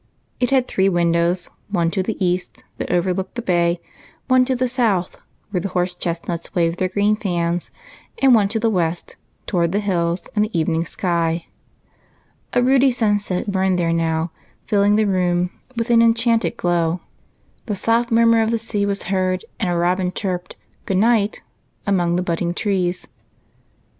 It had three windows, — one to the east, that over looked the bay ; one to the south, where the horse chestnuts waved their green fans ; and one to the west, toward the hills and the evening sky. A ruddy sunset burned there now, filling the room with an enchanted glow ; the soft murmur of the sea was heard, and UNCLE ALEC'S ROOM. 67 a robin chirped " Good night !" among the budding trees.